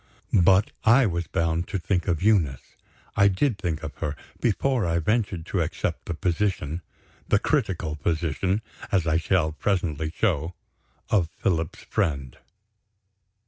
But I was bound to think of Eunice. I did think of her, before I ventured to accept the position the critical position, as I shall presently show of Philip's friend.